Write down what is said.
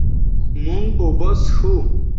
مونږ اوبه څښو.